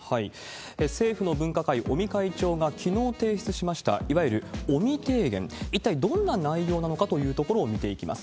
政府の分科会、尾身会長がきのう提出しました、いわゆる尾身提言、一体どんな内容なのかというところを見ていきます。